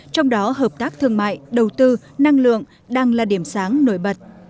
trong đó hợp tác thương mại đầu tư năng lượng đang là điểm sáng nổi bật